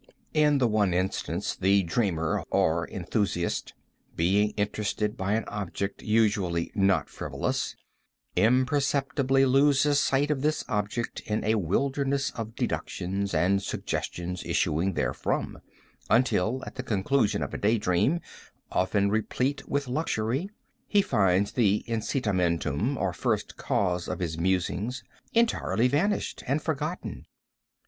In the one instance, the dreamer, or enthusiast, being interested by an object usually not frivolous, imperceptibly loses sight of this object in a wilderness of deductions and suggestions issuing therefrom, until, at the conclusion of a day dream often replete with luxury, he finds the incitamentum, or first cause of his musings, entirely vanished and forgotten.